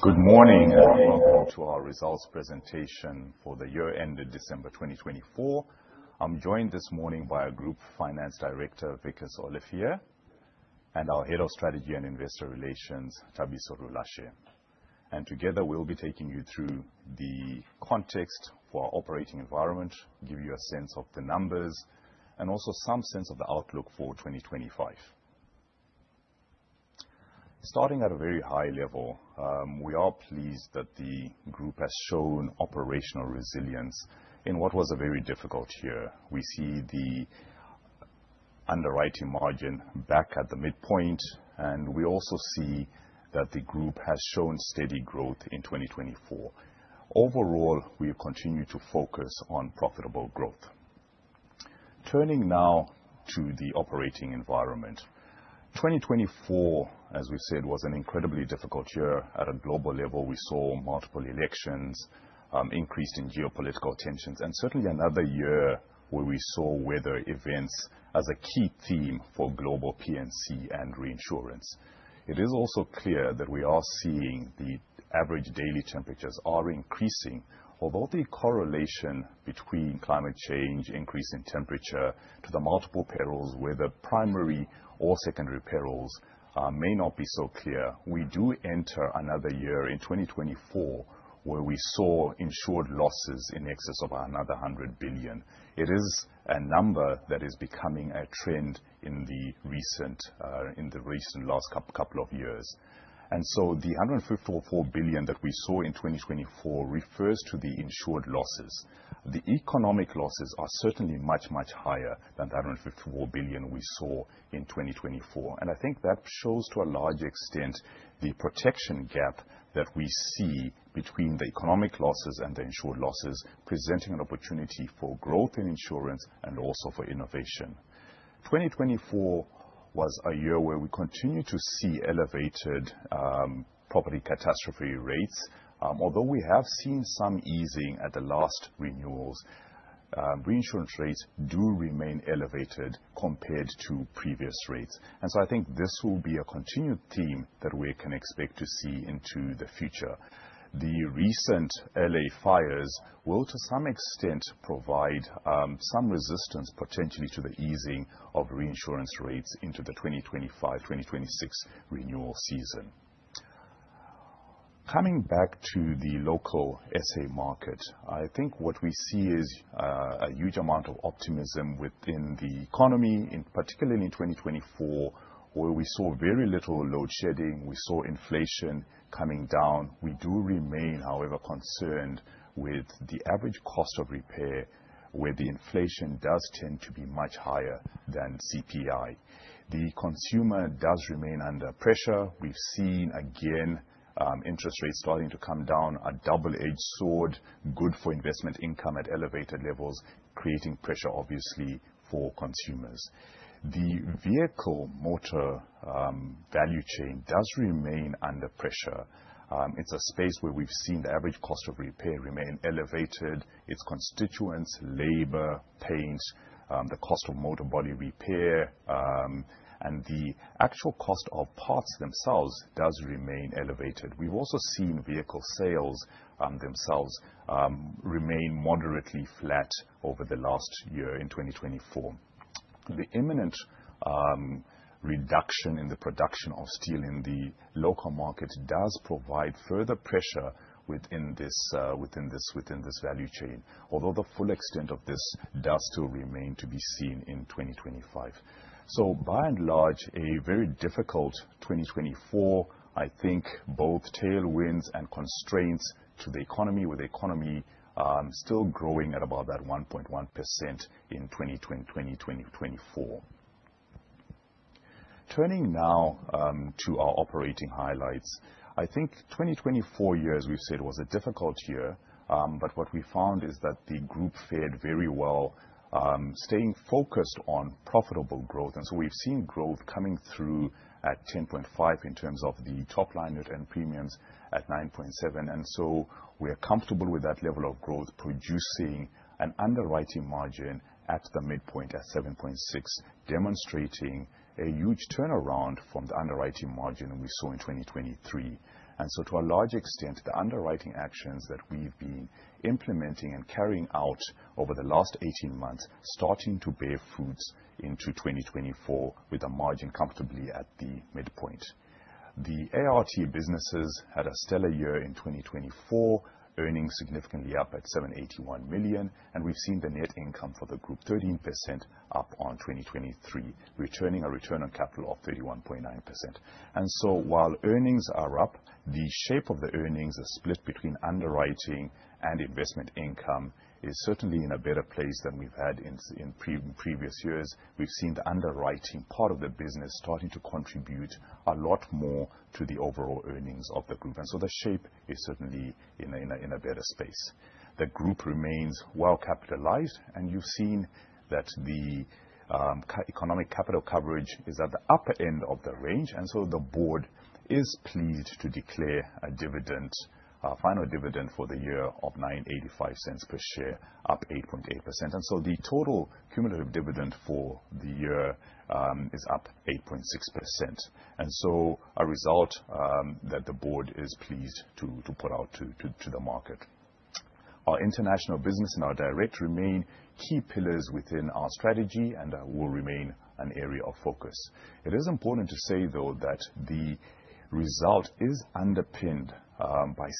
Good morning and welcome to our results presentation for the year ending December 2024. I'm joined this morning by our Group Finance Director, Wikus Olivier, and our Head of Strategy and Investor Relations, Thabiso Rulashe. Together, we'll be taking you through the context for our operating environment, give you a sense of the numbers, and also some sense of the outlook for 2025. Starting at a very high level, we are pleased that the group has shown operational resilience in what was a very difficult year. We see the underwriting margin back at the midpoint, and we also see that the group has shown steady growth in 2024. Overall, we have continued to focus on profitable growth. Turning now to the operating environment. 2024, as we've said, was an incredibly difficult year. At a global level, we saw multiple elections, increase in geopolitical tensions, and certainly another year where we saw weather events as a key theme for global P&C and reinsurance. It is also clear that we are seeing the average daily temperatures are increasing. Although the correlation between climate change increase in temperature to the multiple perils, whether primary or secondary perils, may not be so clear, we do enter another year in 2024 where we saw insured losses in excess of another 100 billion. It is a number that is becoming a trend in the recent, in the recent last couple of years. The 154 billion that we saw in 2024 refers to the insured losses. The economic losses are certainly much, much higher than the 154 billion we saw in 2024. I think that shows to a large extent the protection gap that we see between the economic losses and the insured losses, presenting an opportunity for growth in insurance and also for innovation. 2024 was a year where we continued to see elevated property catastrophe rates. Although we have seen some easing at the last renewals, reinsurance rates do remain elevated compared to previous rates. I think this will be a continued theme that we can expect to see into the future. The recent L.A. fires will, to some extent, provide some resistance potentially to the easing of reinsurance rates into the 2025, 2026 renewal season. Coming back to the local SA market, I think what we see is a huge amount of optimism within the economy, in particularly in 2024, where we saw very little load shedding, we saw inflation coming down. We do remain, however, concerned with the average cost of repair, where the inflation does tend to be much higher than CPI. The consumer does remain under pressure. We've seen, again, interest rates starting to come down, a double-edged sword, good for investment income at elevated levels, creating pressure obviously for consumers. The vehicle motor value chain does remain under pressure. It's a space where we've seen the average cost of repair remain elevated. Its constituents, labor, paints, the cost of motor body repair, and the actual cost of parts themselves does remain elevated. We've also seen vehicle sales themselves remain moderately flat over the last year in 2024. The imminent reduction in the production of steel in the local market does provide further pressure within this value chain. Although the full extent of this does still remain to be seen in 2025. By and large, a very difficult 2024. I think both tailwinds and constraints to the economy, with the economy still growing at about that 1.1% in 2024. Turning now to our operating highlights. I think 2024 year, as we've said, was a difficult year. What we found is that the group fared very well, staying focused on profitable growth. We've seen growth coming through at 10.5% in terms of the top line net and premiums at 9.7%. We're comfortable with that level of growth, producing an underwriting margin at the midpoint at 7.6%, demonstrating a huge turnaround from the underwriting margin we saw in 2023. To a large extent, the underwriting actions that we've been implementing and carrying out over the last 18 months starting to bear fruits into 2024 with the margin comfortably at the midpoint. The ART businesses had a stellar year in 2024, earnings significantly up at 781 million, and we've seen the net income for the group 13% up on 2023, returning a return on capital of 31.9%. While earnings are up, the shape of the earnings are split between underwriting and investment income is certainly in a better place than we've had in pre-previous years. We've seen the underwriting part of the business starting to contribute a lot more to the overall earnings of the group. The shape is certainly in a better space. The group remains well capitalized, and you've seen that the economic capital coverage is at the upper end of the range. The board is pleased to declare a dividend, a final dividend for the year of 9.85 per share, up 8.8%. The total cumulative dividend for the year is up 8.6%. A result that the board is pleased to put out to the market. Our international business and our direct remain key pillars within our strategy and will remain an area of focus. It is important to say, though, that the result is underpinned by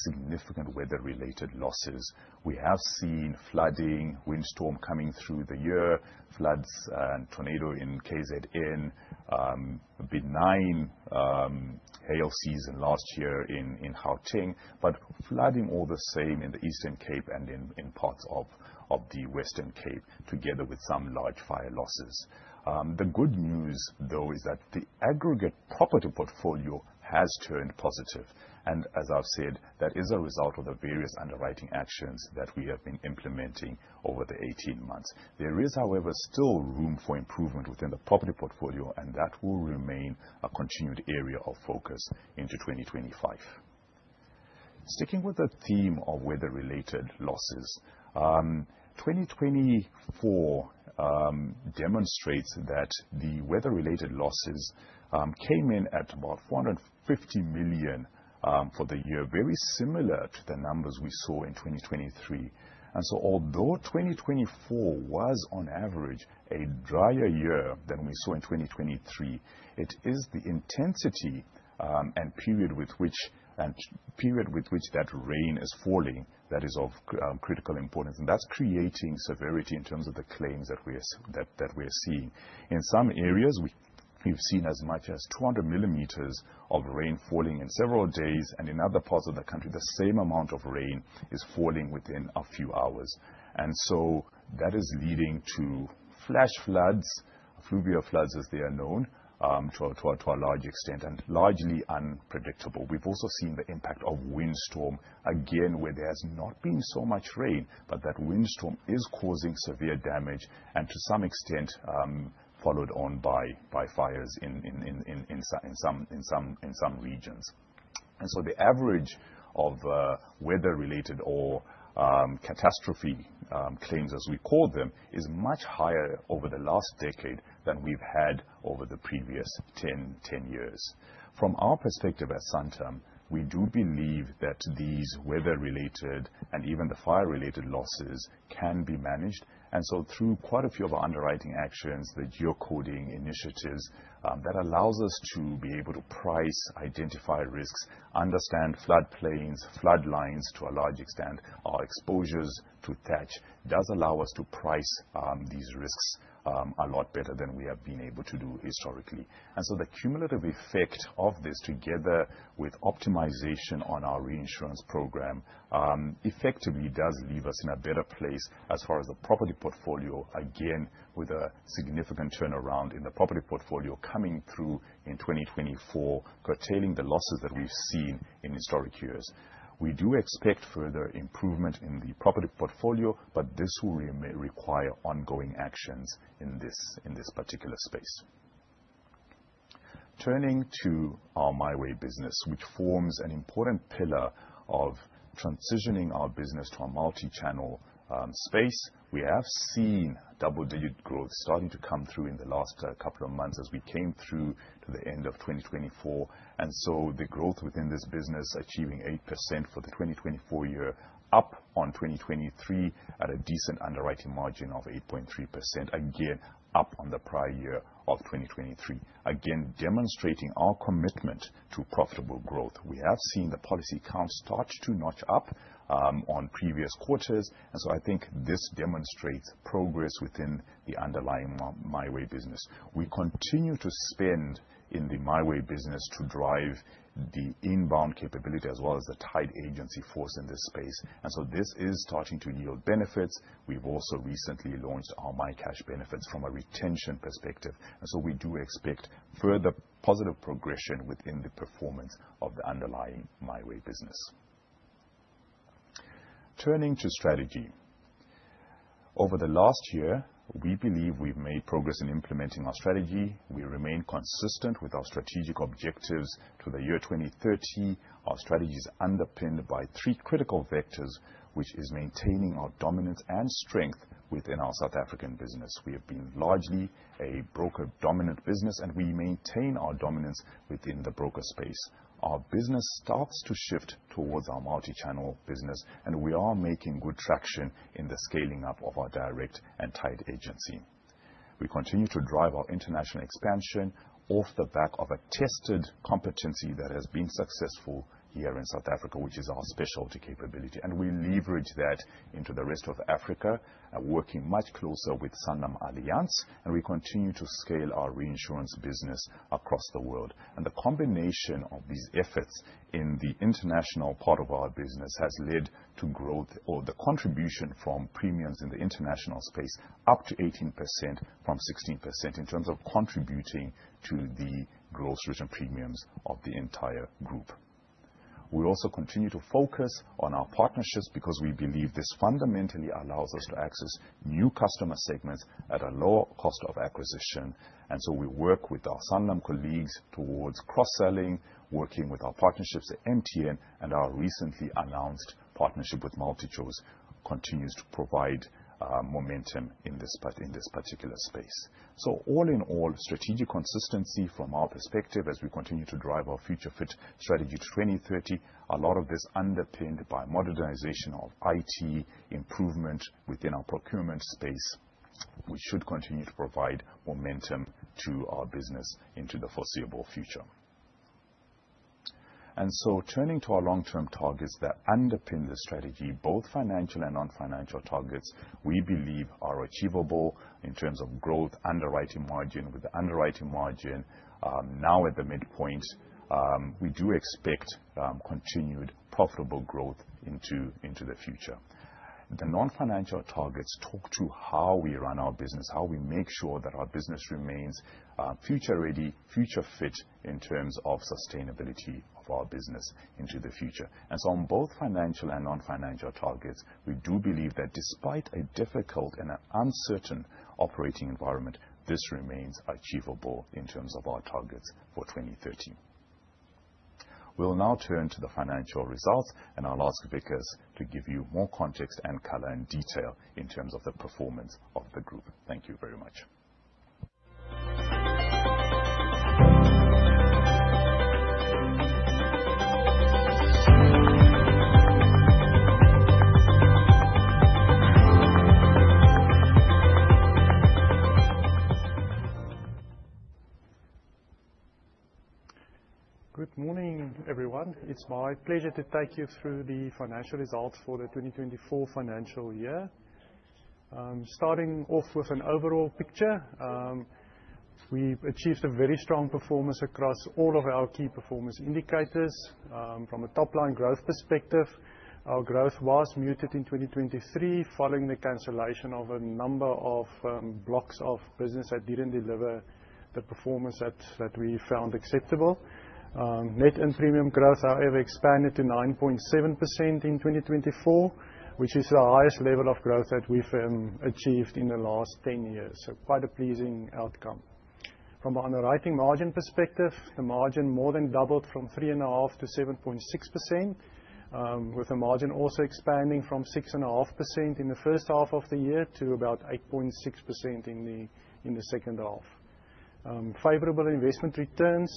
significant weather-related losses. We have seen flooding, windstorm coming through the year, floods and tornado in KZN, a benign hail season last year in Gauteng, but flooding all the same in the Eastern Cape and in parts of the Western Cape, together with some large fire losses. The good news, though, is that the aggregate property portfolio has turned positive. As I've said, that is a result of the various underwriting actions that we have been implementing over the 18 months. There is, however, still room for improvement within the property portfolio, and that will remain a continued area of focus into 2025. Sticking with the theme of weather-related losses, 2024 demonstrates that the weather-related losses came in at about 450 million for the year, very similar to the numbers we saw in 2023. Although 2024 was on average a drier year than we saw in 2023, it is the intensity and period with which that rain is falling that is of critical importance, and that's creating severity in terms of the claims that we are seeing. In some areas, we've seen as much as 200 millimeters of rain falling in several days, and in other parts of the country, the same amount of rain is falling within a few hours. That is leading to flash floods, fluvial floods, as they are known, to a large extent, and largely unpredictable. We've also seen the impact of windstorm, again, where there's not been so much rain, but that windstorm is causing severe damage and to some extent, followed on by fires in some regions. The average of weather-related or catastrophe claims, as we call them, is much higher over the last decade than we've had over the previous 10 years. From our perspective at Santam, we do believe that these weather-related and even the fire-related losses can be managed. Through quite a few of our underwriting actions, the geocoding initiatives, that allows us to be able to price, identify risks, understand floodplains, flood lines to a large extent, our exposures to thatch does allow us to price these risks a lot better than we have been able to do historically. The cumulative effect of this, together with optimization on our reinsurance program, effectively does leave us in a better place as far as the property portfolio, again, with a significant turnaround in the property portfolio coming through in 2024, curtailing the losses that we've seen in historic years. We do expect further improvement in the property portfolio, but this may require ongoing actions in this particular space. Turning to our MiWay business, which forms an important pillar of transitioning our business to a multi-channel space, we have seen double-digit growth starting to come through in the last couple of months as we came through to the end of 2024. The growth within this business achieving 8% for the 2024 year, up on 2023 at a decent underwriting margin of 8.3%, again, up on the prior year of 2023. Again, demonstrating our commitment to profitable growth. We have seen the policy count start to notch up on previous quarters. I think this demonstrates progress within the underlying MiWay business. We continue to spend in the MiWay business to drive the inbound capability as well as the tied agency force in this space. This is starting to yield benefits. We've also recently launched our MyCash benefits from a retention perspective, and so we do expect further positive progression within the performance of the underlying MiWay business. Turning to strategy. Over the last year, we believe we've made progress in implementing our strategy. We remain consistent with our strategic objectives to the year 2030. Our strategy is underpinned by three critical vectors, which is maintaining our dominance and strength within our South African business. We have been largely a broker-dominant business, and we maintain our dominance within the broker space. Our business starts to shift towards our multi-channel business, and we are making good traction in the scaling up of our direct and tied agency. We continue to drive our international expansion off the back of a tested competency that has been successful here in South Africa, which is our specialty capability, and we leverage that into the rest of Africa, working much closer with SanlamAllianz, and we continue to scale our reinsurance business across the world. The combination of these efforts in the international part of our business has led to growth or the contribution from premiums in the international space up to 18% from 16% in terms of contributing to the gross written premiums of the entire group. We also continue to focus on our partnerships because we believe this fundamentally allows us to access new customer segments at a lower cost of acquisition. We work with our Sanlam colleagues towards cross-selling, working with our partnerships at MTN, and our recently announced partnership with MultiChoice continues to provide momentum in this particular space. All in all, strategic consistency from our perspective as we continue to drive our Future Fit strategy 2030. A lot of this underpinned by modernization of IT, improvement within our procurement space, which should continue to provide momentum to our business into the foreseeable future. Turning to our long term targets that underpin the strategy, both financial and non-financial targets we believe are achievable in terms of growth underwriting margin. With the underwriting margin now at the midpoint, we do expect continued profitable growth into the future. The non-financial targets talk to how we run our business, how we make sure that our business remains, future ready, Future Fit in terms of sustainability of our business into the future. On both financial and non-financial targets, we do believe that despite a difficult and uncertain operating environment, this remains achievable in terms of our targets for 2030. We'll now turn to the financial results, and I'll ask Wikus to give you more context and color and detail in terms of the performance of the group. Thank you very much. Good morning, everyone. It's my pleasure to take you through the financial results for the 2024 financial year. Starting off with an overall picture, we've achieved a very strong performance across all of our key performance indicators. From a top-line growth perspective, our growth was muted in 2023 following the cancellation of a number of blocks of business that didn't deliver the performance that we found acceptable. Net and premium growth, however, expanded to 9.7% in 2024, which is the highest level of growth that we've achieved in the last 10 years. Quite a pleasing outcome. From an underwriting margin perspective, the margin more than doubled from 3.5% to 7.6%, with the margin also expanding from 6.5% in the first half of the year to about 8.6% in the second half. Favorable investment returns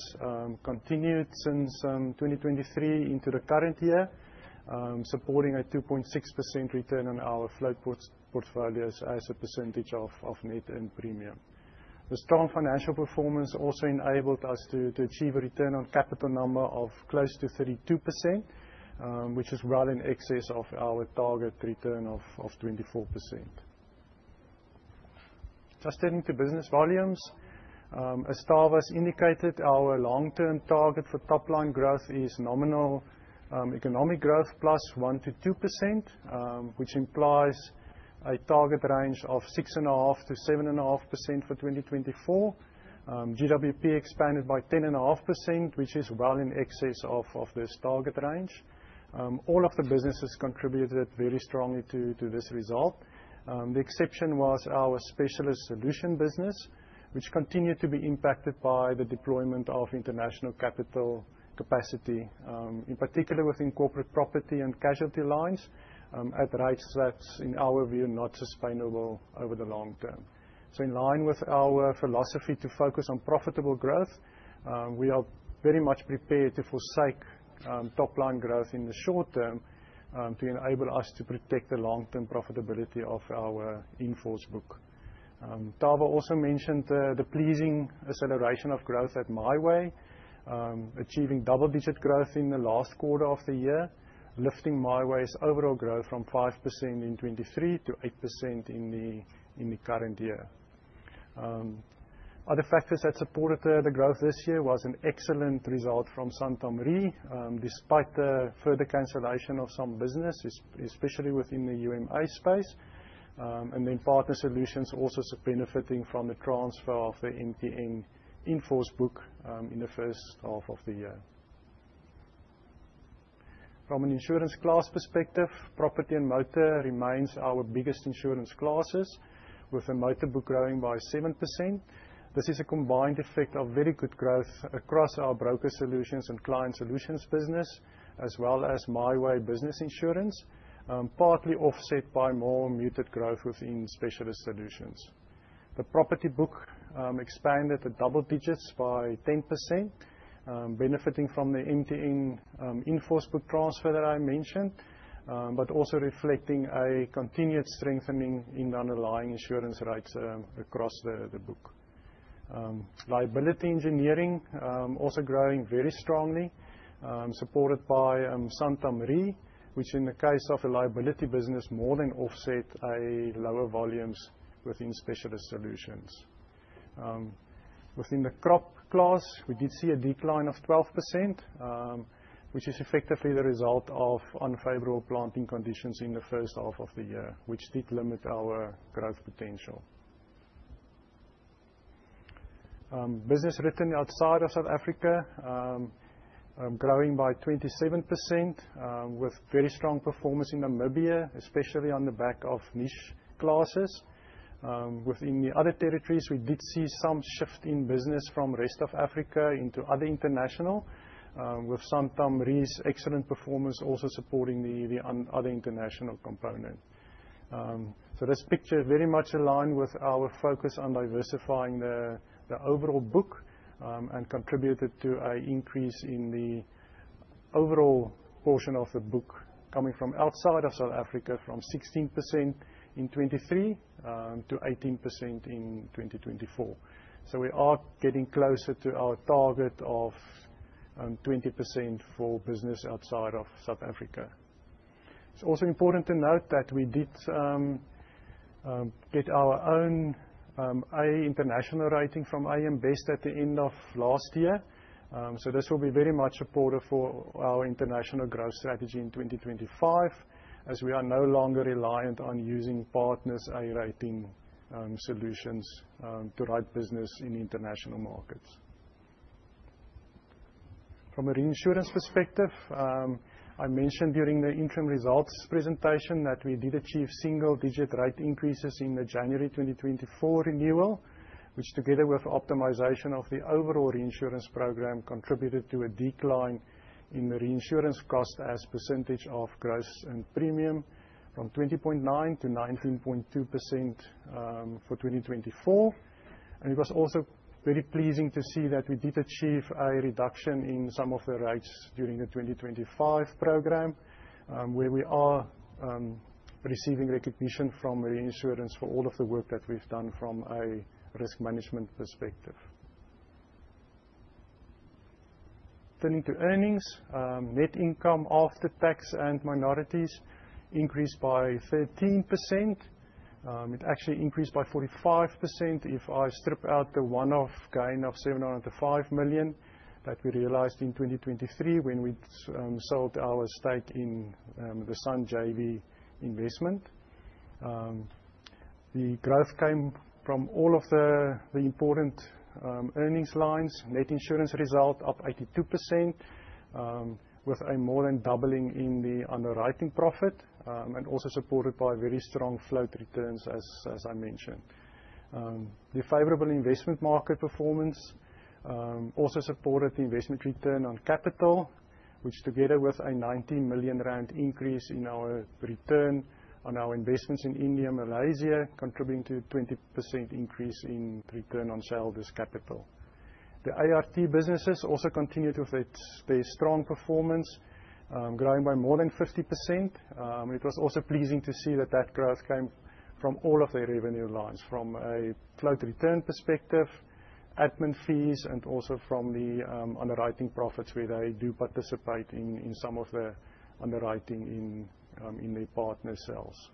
continued since 2023 into the current year, supporting a 2.6% return on our float portfolios as a percentage of net and premium. The strong financial performance also enabled us to achieve a return on capital number of close to 32%, which is well in excess of our target return of 24%. Just turning to business volumes, as Thabiso's indicated, our long-term target for top-line growth is nominal economic growth plus 1%-2%, which implies a target range of 6.5%-7.5% for 2024. GWP expanded by 10.5%, which is well in excess of this target range. All of the businesses contributed very strongly to this result. The exception was our Specialist Solutions business, which continued to be impacted by the deployment of international capital capacity, in particular within corporate property and casualty lines, at rates that's, in our view, not sustainable over the long term. In line with our philosophy to focus on profitable growth, we are very much prepared to forsake top-line growth in the short term, to enable us to protect the long-term profitability of our in-force book. Tava also mentioned the pleasing acceleration of growth at MiWay, achieving double-digit growth in the last quarter of the year, lifting MiWay's overall growth from 5% in 2023 to 8% in the current year. Other factors that supported the growth this year was an excellent result from Santam Re, despite the further cancellation of some business especially within the UMA space. Partner Solutions also benefiting from the transfer of the MTN in-force book in the first half of the year. From an insurance class perspective, property and motor remains our biggest insurance classes, with the motor book growing by 7%. This is a combined effect of very good growth across our Broker Solutions and Client Solutions business, as well as MiWay Business Insurance, partly offset by more muted growth within Specialist Solutions. The property book expanded at double digits by 10%, benefiting from the MTN in-force book transfer that I mentioned, but also reflecting a continued strengthening in the underlying insurance rates across the book. Liability engineering also growing very strongly, supported by Santam Re, which in the case of the liability business more than offset a lower volumes within Specialist Solutions. Within the crop class, we did see a decline of 12%, which is effectively the result of unfavorable planting conditions in the first half of the year, which did limit our growth potential. Business written outside of South Africa, growing by 27%, with very strong performance in Namibia, especially on the back of niche classes. Within the other territories, we did see some shift in business from rest of Africa into other international, with Santam Re's excellent performance also supporting the other international component. This picture very much aligned with our focus on diversifying the overall book, and contributed to an increase in the overall portion of the book coming from outside of South Africa from 16% in 2023, to 18% in 2024. We are getting closer to our target of 20% for business outside of South Africa. It's also important to note that we did get our own A- international rating from AM Best at the end of last year. This will be very much supportive for our international growth strategy in 2025, as we are no longer reliant on using partners' A- rating solutions to write business in international markets. From a reinsurance perspective, I mentioned during the interim results presentation that we did achieve single-digit rate increases in the January 2024 renewal, which together with optimization of the overall reinsurance program, contributed to a decline in reinsurance cost as percentage of gross written premium from 20.9% to 19.2% for 2024. It was also very pleasing to see that we did achieve a reduction in some of the rates during the 2025 program, where we are receiving recognition from reinsurance for all of the work that we've done from a risk management perspective. Turning to earnings, net income after tax and minorities increased by 13%. It actually increased by 45% if I strip out the one-off gain of 705 million that we realized in 2023 when we sold our stake in the SANParks JV investment. The growth came from all of the important earnings lines. net insurance result up 82%, with a more than doubling in the underwriting profit, and also supported by very strong float returns as I mentioned. The favorable investment market performance also supported the investment return on capital, which together with a 90 million rand increase in our return on our investments in India and Malaysia, contributing to a 20% increase in return on shareholders' capital. The ART businesses also continued with its, their strong performance, growing by more than 50%. It was also pleasing to see that that growth came from all of their revenue lines, from a float return perspective, admin fees, and also from the underwriting profits, where they do participate in some of the underwriting in their partner sales.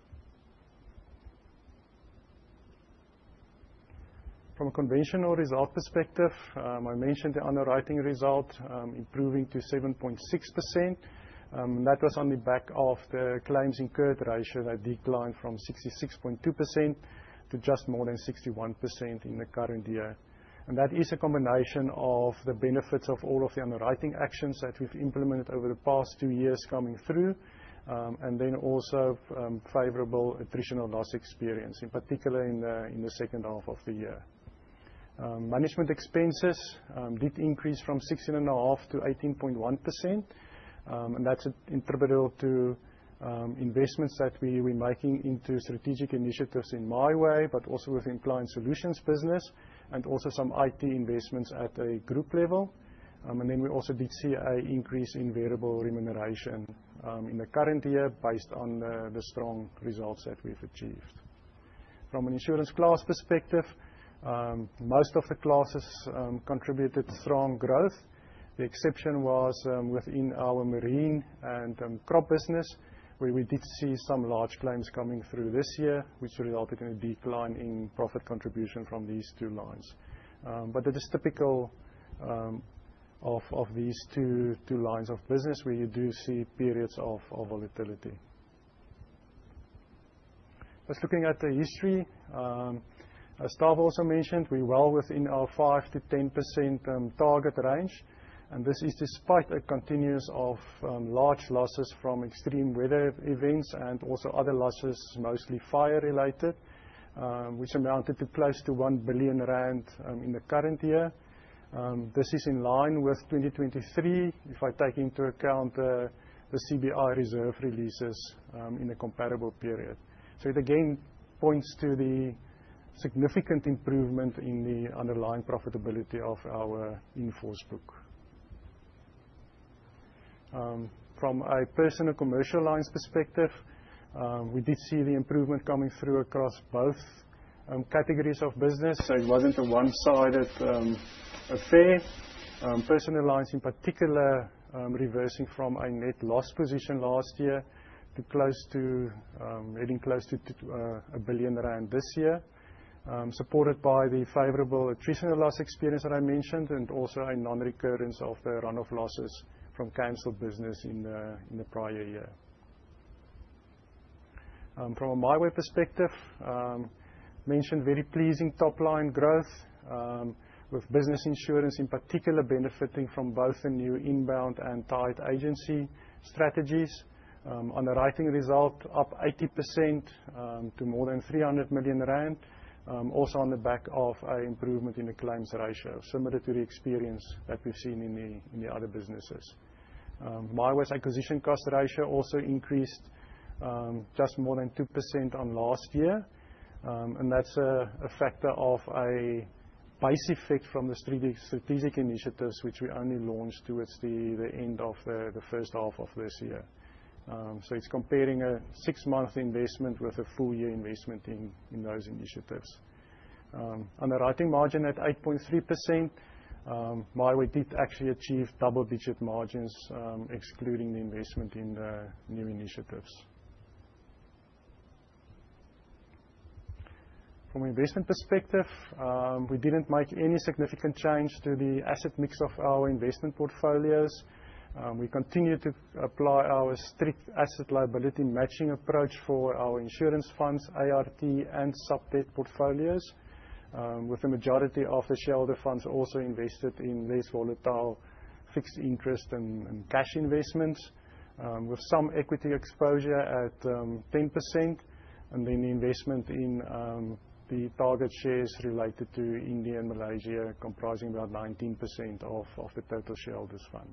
From a conventional result perspective, I mentioned the underwriting result, improving to 7.6%. That was on the back of the claims incurred ratio that declined from 66.2% to just more than 61% in the current year. That is a combination of the benefits of all of the underwriting actions that we've implemented over the past 2 years coming through, and then also, favorable attritional loss experience, in particular in the second half of the year. Management expenses did increase from 16.5% to 18.1%. And that's attributable to investments that we're making into strategic initiatives in MiWay, but also within Client Solutions business, and also some IT investments at a group level. Then we also did see an increase in variable remuneration in the current year based on the strong results that we've achieved. From an insurance class perspective, most of the classes contributed strong growth. The exception was within our marine and crop business, where we did see some large claims coming through this year, which resulted in a decline in profit contribution from these two lines. It is typical of these two lines of business where you do see periods of volatility. Just looking at the history, as Thabiso also mentioned, we're well within our 5%-10% target range. This is despite a continuous of large losses from extreme weather events and also other losses, mostly fire-related, which amounted to close to 1 billion rand in the current year. This is in line with 2023 if I take into account the CBI reserve releases in the comparable period. It again points to the significant improvement in the underlying profitability of our in-force book. From a Personal and Commercial lines perspective, we did see the improvement coming through across both categories of business. It wasn't a one-sided affair. Personal lines in particular, reversing from a net loss position last year to close to heading close to 1 billion rand this year, supported by the favorable attritional loss experience that I mentioned and also a non-recurrence of the run-off losses from canceled business in the prior year. From a MiWay perspective, mentioned very pleasing top-line growth, with MiWay Business Insurance in particular benefiting from both the new inbound and tied agency strategies. Underwriting result up 80% to more than 300 million rand. Also on the back of an improvement in the claims ratio, similar to the experience that we've seen in the other businesses. MiWay's acquisition cost ratio also increased just more than 2% on last year. And that's a factor of a base effect from the strategic initiatives which we only launched towards the end of the first half of this year. So it's comparing a six-month investment with a full-year investment in those initiatives. Underwriting margin at 8.3%. But we did actually achieve double-digit margins, excluding the investment in the new initiatives. From investment perspective, we didn't make any significant change to the asset mix of our investment portfolios. We continue to apply our strict asset liability matching approach for our insurance funds, ART and sub-debt portfolios. With the majority of the shareholder funds also invested in less volatile fixed interest and cash investments, with some equity exposure at 10%. The investment in the target shares related to India and Malaysia comprising about 19% of the total shareholders fund.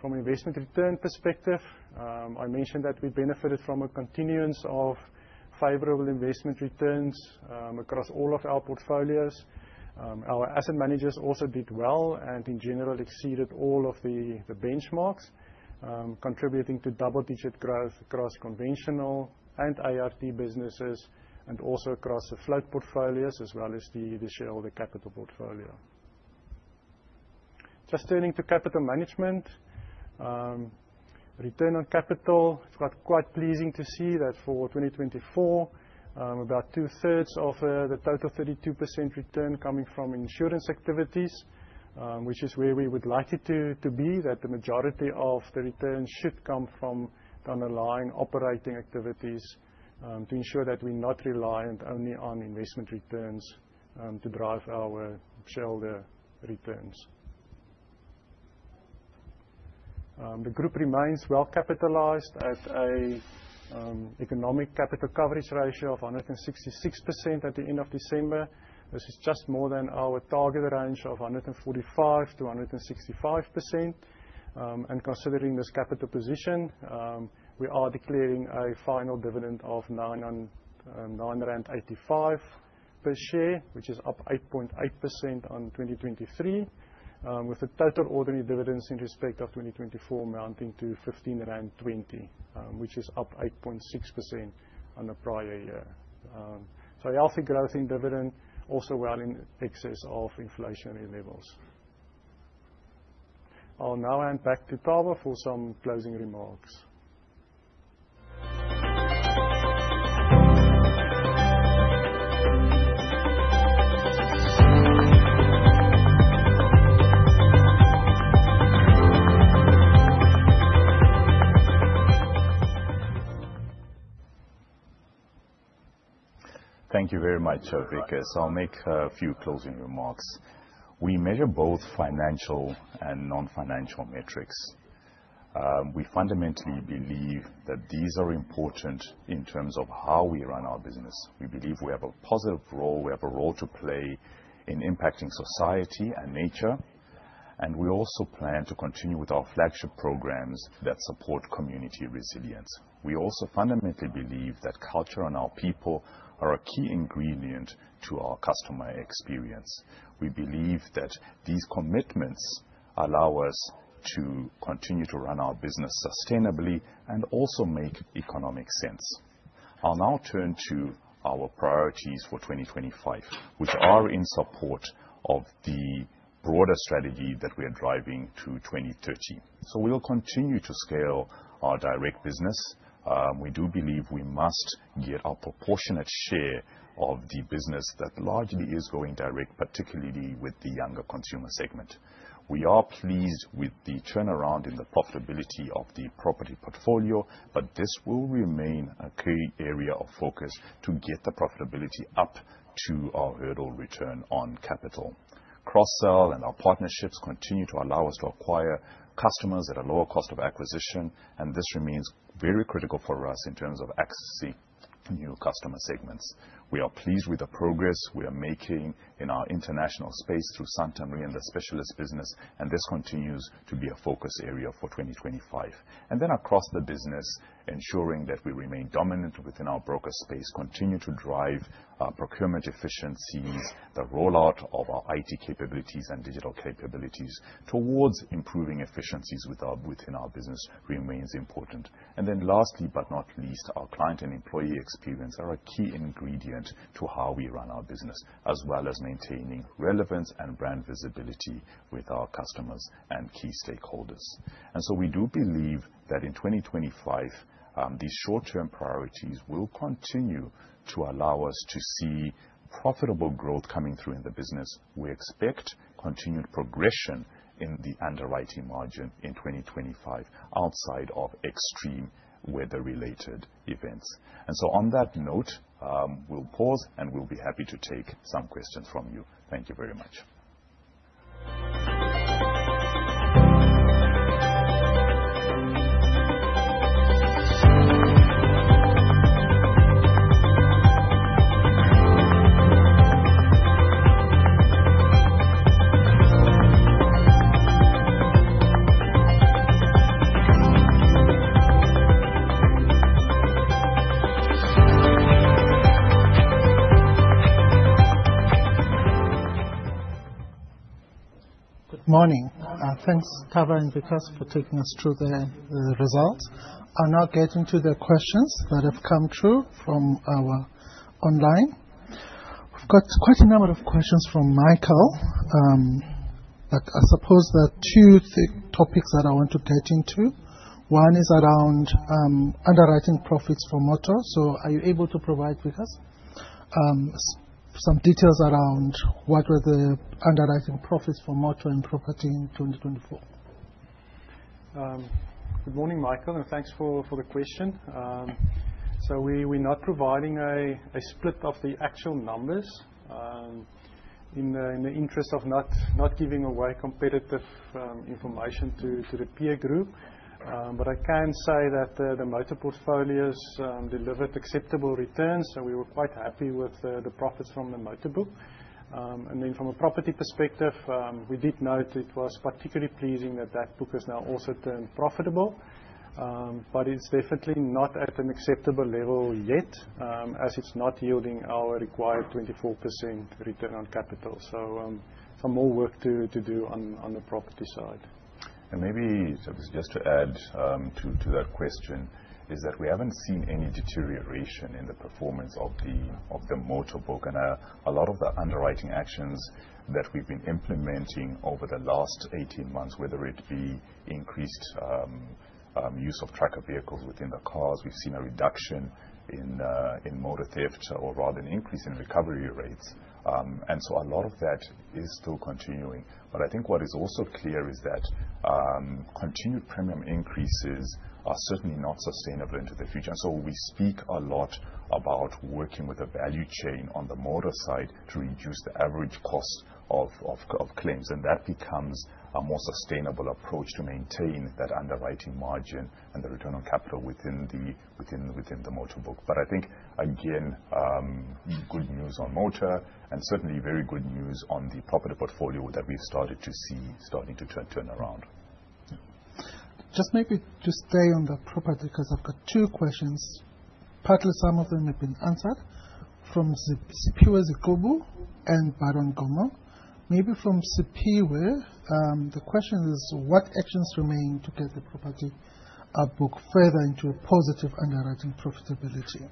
From an investment return perspective, I mentioned that we benefited from a continuance of favorable investment returns across all of our portfolios. Our asset managers also did well and in general exceeded all of the benchmarks, contributing to double-digit growth across conventional and ART businesses and also across the float portfolios as well as the shareholder capital portfolio. Just turning to capital management. Return on capital. It's quite pleasing to see that for 2024, about two-thirds of the total 32% return coming from insurance activities, which is where we would like it to be, that the majority of the returns should come from the underlying operating activities, to ensure that we're not reliant only on investment returns, to drive our shareholder returns. The group remains well capitalized at a economic capital coverage ratio of 166% at the end of December. This is just more than our target range of 145%-165%. Considering this capital position, we are declaring a final dividend of 9.85 rand per share, which is up 8.8% on 2023, with the total ordinary dividends in respect of 2024 amounting to 15.20, which is up 8.6% on the prior year. Healthy growth in dividend, also well in excess of inflationary levels. I'll now hand back to Thabo for some closing remarks. Thank you very much, Wikus. I'll make a few closing remarks. We fundamentally believe that these are important in terms of how we run our business. We believe we have a positive role, we have a role to play in impacting society and nature, and we also plan to continue with our flagship programs that support community resilience. We also fundamentally believe that culture and our people are a key ingredient to our customer experience. We believe that these commitments allow us to continue to run our business sustainably and also make economic sense. I'll now turn to our priorities for 2025, which are in support of the broader strategy that we are driving to 2030. We will continue to scale our direct business. We do believe we must get our proportionate share of the business that largely is going direct, particularly with the younger consumer segment. We are pleased with the turnaround in the profitability of the property portfolio, but this will remain a key area of focus to get the profitability up to our hurdle return on capital. Cross-sell and our partnerships continue to allow us to acquire customers at a lower cost of acquisition, and this remains very critical for us in terms of accessing new customer segments. We are pleased with the progress we are making in our international space through Santam Re and the specialist business, and this continues to be a focus area for 2025. Across the business, ensuring that we remain dominant within our broker space, continue to drive our procurement efficiencies, the rollout of our IT capabilities and digital capabilities towards improving efficiencies within our business remains important. Lastly but not least, our client and employee experience are a key ingredient to how we run our business, as well as maintaining relevance and brand visibility with our customers and key stakeholders. We do believe that in 2025, these short-term priorities will continue to allow us to see profitable growth coming through in the business. We expect continued progression in the underwriting margin in 2025 outside of extreme weather-related events. On that note, we'll pause, and we'll be happy to take some questions from you. Thank you very much. Good morning, our conference for 21st of Fitness. I'm now getting to the questions that have come through from our online. I've got quite a number of questions from Michael, but I suppose there are a few topics that I want to get into. One is around underwriting profits for motor, so are you able to provide with us some details around what were the underwriting profits for motor and property in 2024? Thank you very much, Michael, and thanks for the question. So we're not providing a split of the actual numbers in the interest of not giving away competitive information to the peer group. But I can say that the motor business delivered acceptable returns, so we were quite happy with the profits from the motor book. And then from a property perspective, we did note it was particularly pleasing that that book has now also turned profitable, but it's definitely not at an acceptable level yet, as it's not yielding our required 24% return on capital. So some more work to do on the property side And maybe just to add to that question, is that we haven't seen any deterioration in the performance of the motor book and a lot of the underwriting actions that we've been implementing over the last 18 months, whether it be increased use of tracker vehicles within the cars, we've seen a reduction in motor thefts, rather an increase in recovery rates. And so a lot of that is still continuing. And I think what is also clear is that continued premium increases are certainly not sustainable. If you just always speak a lot about working with the value chain on the motor side to reduce the average cost of claims, then that becomes a more sustainable approach to maintain that underwriting margin and the internal capital within the motor book. But I think again, good news on motor and certainly very good news on the property book where we've started to see, starting to turn around. Just maybe just stay on the property because I've got two questions. Perhaps some of them have been answered from Siphelele and Bayron Goliath. Maybe from Siphelele, the question is what actions remain to be taken to rectify the positive underwriting profitability?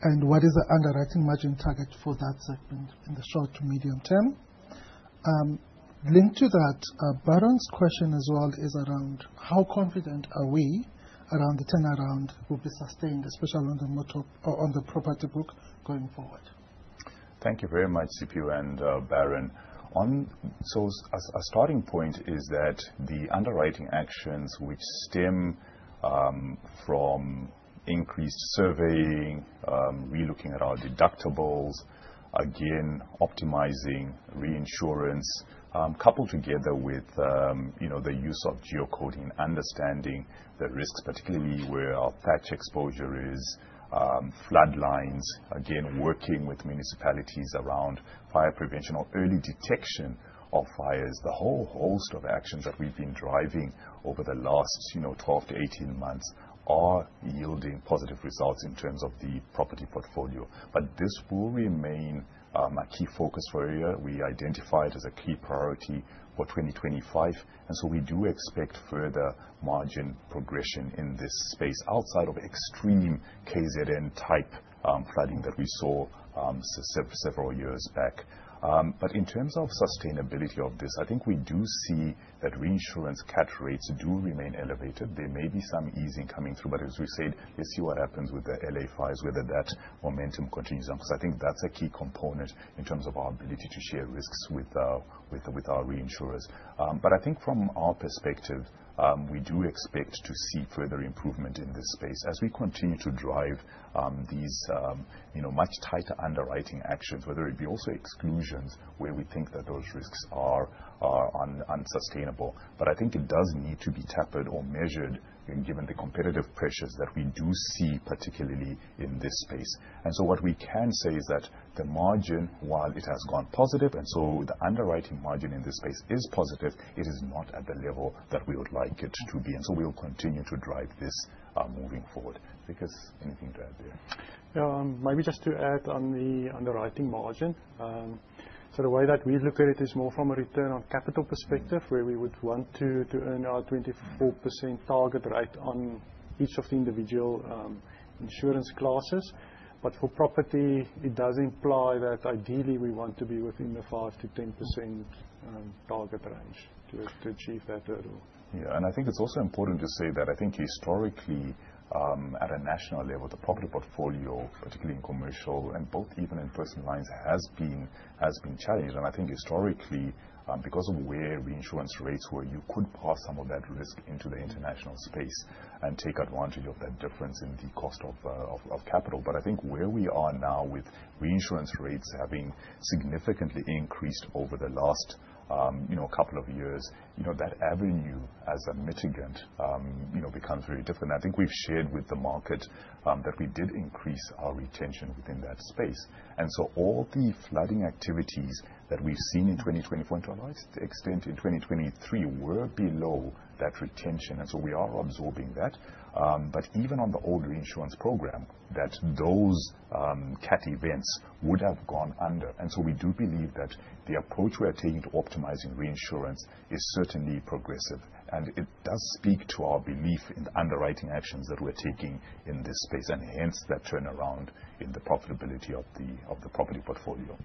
And what is the underwriting margin target for the short to medium term? Linked to that, a balance question as well is around how confident are we around the turnaround will be sustained, especially on the motor book or the property book going forward? Thank you very much, Siphelele. A starting point is that the underwriting actions, which stem from increased surveying, building deductibles, optimizing reinsurance, and the use of geocoding to better understand risks, are yielding positive results in the property portfolio. These actions help us clearly identify our batch exposures, flood lines, and other risk areas. We are also working with municipalities around fire prevention and fire detection systems. The whole range of initiatives that we have been driving over the last 14 to 18 months is starting to show positive results However, this will remain a key focus area for us. We have identified it as a key priority for 2025, and we do expect further margin progression in this space, excluding extreme events such as the KZN-type flooding we experienced a couple of years back. In terms of sustainability, reinsurance catastrophe rates remain elevated. There may be some easing coming through, but it will depend on global developments such as the Los Angeles fires and whether that momentum continues. That will be an important factor in terms of our risk-sharing arrangements with reinsurers. From our perspective, we expect further improvement as we continue to implement tighter underwriting actions. This includes, where necessary, exclusions in areas where we believe the risks are unsustainable. However, this approach must be balanced against the competitive pressures we see in the market. So while the margin has turned positive and the underwriting margin in this space is now positive, it is not yet at the level we would ideally like it to be. We will continue working to improve it going forward. To add to that, we also evaluate underwriting margin from a return-on-capital perspective, where our target is to earn around 24% on each individual insurance class. For property specifically, we ideally want margins in the 5% to 10% range to achieve that return. Historically, at a national level, the property portfolio—particularly in commercial lines and even in personal lines—has been challenging. In the past, because insurance rates were lower, companies could transfer that risk to international markets and take advantage of the difference in the cost of capital. However, with reinsurance rates increasing significantly over the past few years, that approach has become less viable. As we have shared with the market, we have increased our retention in this space. As a result, flooding activities we experienced in 2025, and to some extent in 2023, fell within that retention level, meaning we absorbed those losses. Even within the broader reinsurance program, many of those catastrophe events would still have fallen under our retention levels. That said, we believe the approach we are taking to optimize reinsurance is progressive. It reflects our confidence in the underwriting actions we are implementing and supports the turnaround in the profitability of the property portfolio.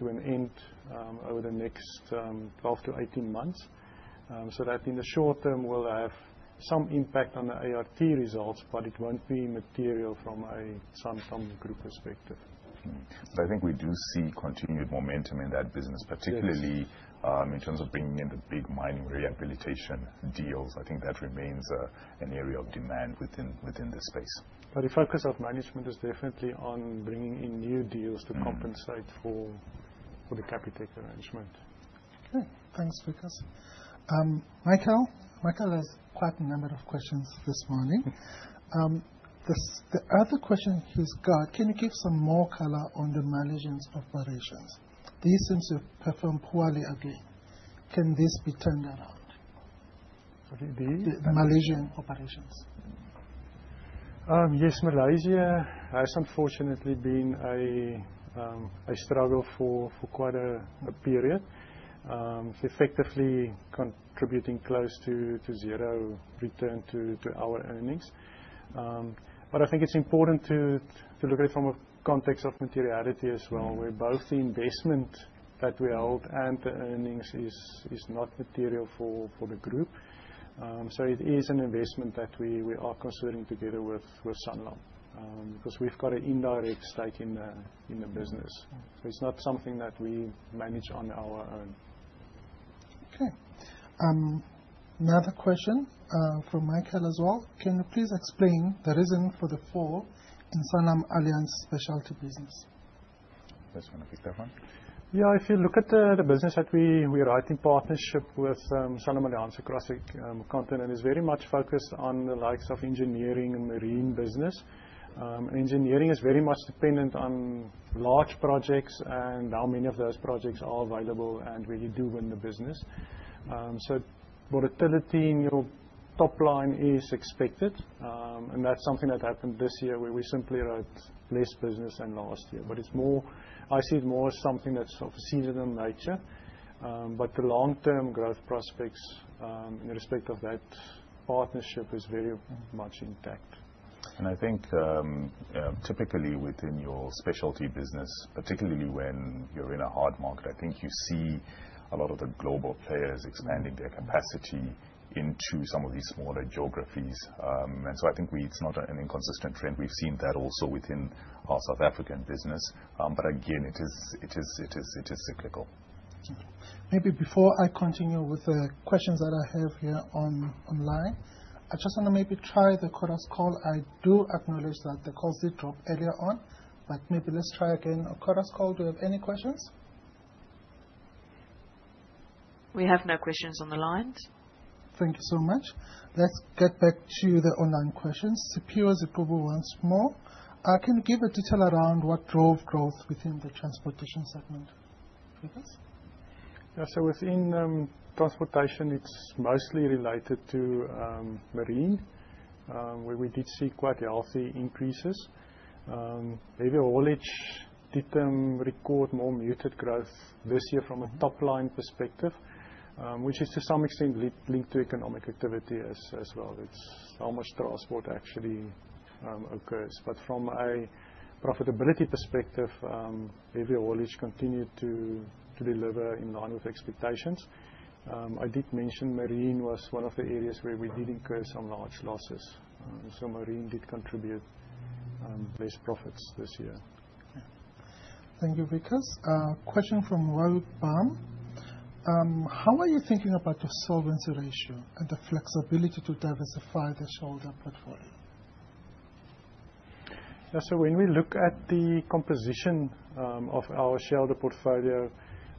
We do see continued momentum in that business, particularly in relation to deep mining application deals. This remains an area of strong demand within the business. Management is focused on bringing in new deals to compensate for the current cap and the present situation in the market. I have a couple of questions this morning. The other question is: can you give some more color on the management operation in Malaysia? Data suggests that activity has been quite strong recently. The Malaysia operation has unfortunately been a struggle for quite a period. It has been contributing to earnings, but I think it is important to view it in the context of materiality. Both the investment that we hold and the earnings contribution are not material for the group. As such, it is an investment that we have been willing to maintain for the time being. Next question from Michael as well: Can you please explain the revenue performance for Santam Allianz Specialties? When we look at the engineering-related partnerships, revenue is very much dependent on large projects. Many of these projects become available and move forward at different times within the business cycle. As a result, volatility in the top line is expected. This is something that occurred this year where we wrote less business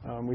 compared to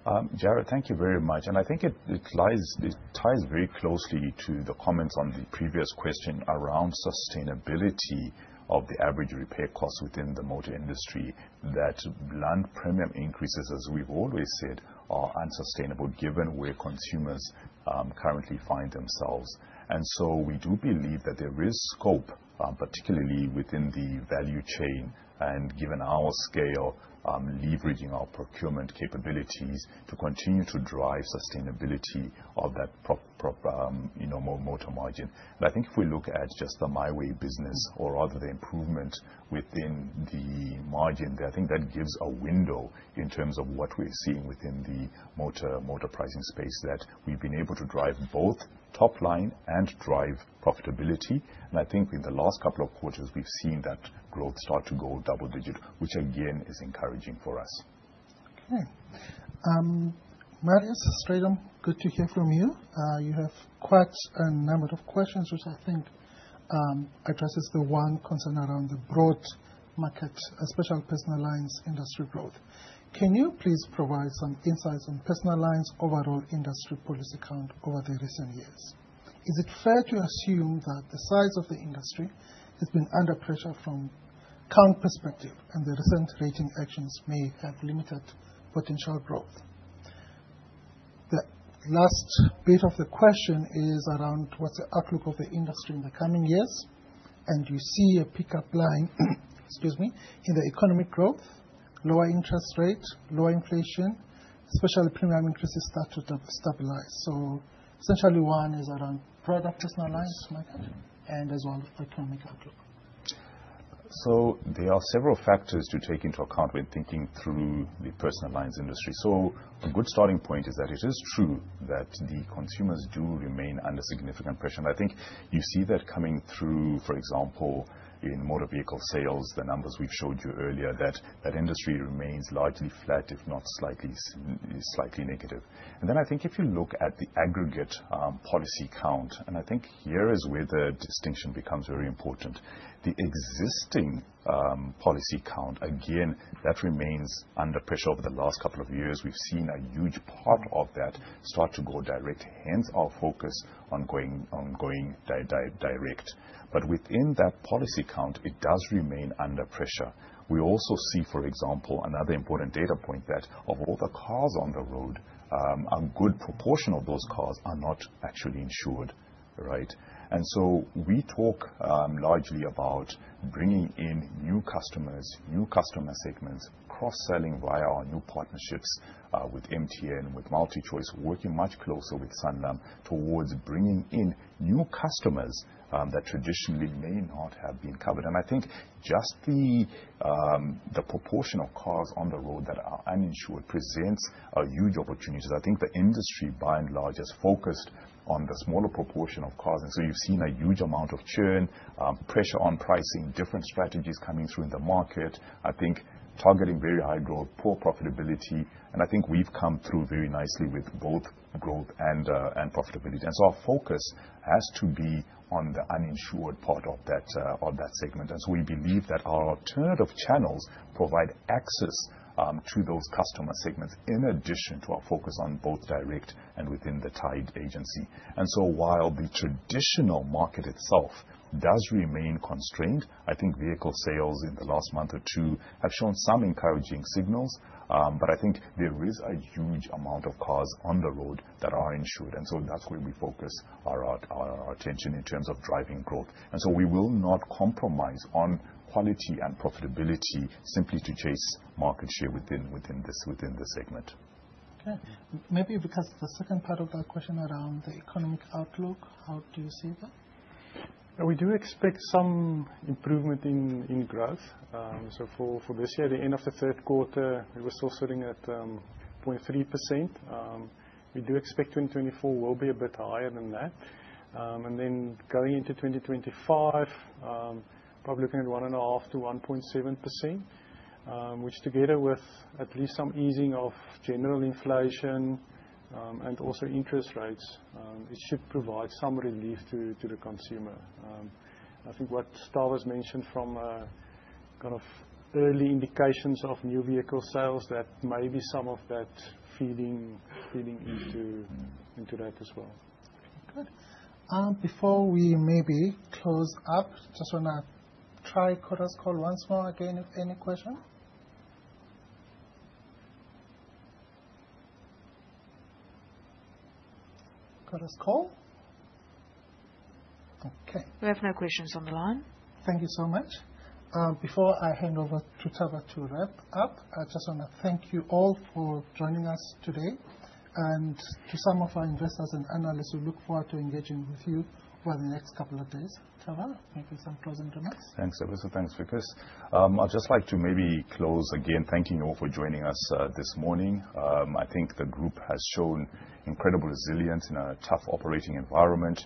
the previous year. However, we largely see this as seasonal in nature, rather than a structural issue in the business. Excuse me, in the economic growth, lower interest rate, lower inflation, especially premium increases start to stabilize. Essentially one is around product personal lines market and as well as the economic outlook. There are several factors to take into account when thinking through the personal lines industry. A good starting point is that it is true that the consumers do remain under significant pressure. I think you see that coming through, for example, in motor vehicle sales, the numbers we've showed you earlier, that that industry remains largely flat if not slightly negative. Then I think if you look at the aggregate policy count, and I think here is where the distinction becomes very important. The existing policy count, again, that remains under pressure. Over the last couple of years, we've seen a huge part of that start to go direct, hence our focus on going direct. Within that policy count, it does remain under pressure. We also see, for example, another important data point that of all the cars on the road, a good proportion of those cars are not actually insured, right? We talk largely about bringing in new customers, new customer segments, cross-selling via our new partnerships, with MTN, with MultiChoice, working much closer with Sanlam towards bringing in new customers, that traditionally may not have been covered. I think just the proportion of cars on the road that are uninsured presents a huge opportunity. I think the industry by and large is focused on the smaller proportion of cars. You've seen a huge amount of churn, pressure on pricing, different strategies coming through in the market. I think targeting very high growth, poor profitability. I think we've come through very nicely with both growth and profitability. Our focus has to be on the uninsured part of that, on that segment, as we believe that our alternative channels provide access to those customer segments, in addition to our focus on both direct and within the tied agency. While the traditional market itself does remain constrained, I think vehicle sales in the last month or two have shown some encouraging signals. But I think there is a huge amount of cars on the road that are insured, and so that's where we focus our attention in terms of driving growth. We will not compromise on quality and profitability simply to chase market share within the segment. Okay. Maybe because the second part of that question around the economic outlook, how do you see that? We do expect some improvement in growth. For this year, at the end of the third quarter, we were still sitting at 0.3%. We do expect 2024 will be a bit higher than that. Going into 2025, probably looking at 1.5%-1.7%, which together with at least some easing of general inflation and also interest rates, it should provide some relief to the consumer. I think what Thabiso's mentioned from kind of early indications of new vehicle sales, that may be some of that feeding into that as well. Good. Before we maybe close up, just wanna try quarters call once more. Again, if any question. Quarters call? Okay. We have no questions on the line. Thank you so much. Before I hand over to Tava to wrap up, I just wanna thank you all for joining us today. To some of our investors and analysts, we look forward to engaging with you for the next couple of days. Tava, maybe some closing remarks. Thanks, Thabiso. Thanks, Wikus. I'd just like to maybe close again, thanking you all for joining us this morning. I think the group has shown incredible resilience in a tough operating environment.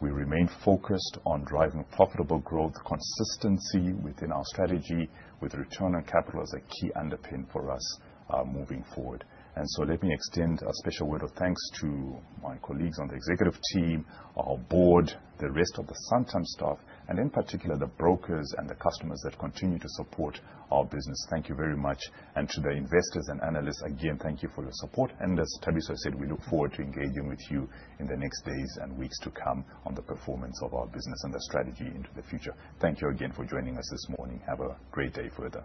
We remain focused on driving profitable growth, consistency within our strategy with return on capital as a key underpin for us moving forward. Let me extend a special word of thanks to my colleagues on the executive team, our board, the rest of the Santam staff, and in particular, the brokers and the customers that continue to support our business. Thank you very much. To the investors and analysts, again, thank you for your support. As Thabiso said, we look forward to engaging with you in the next days and weeks to come on the performance of our business and the strategy into the future. Thank you again for joining us this morning. Have a great day further.